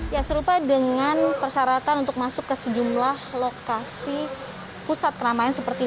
ya serupa dengan persyaratan untuk masuk ke sejumlah lokasi pusat keramaian seperti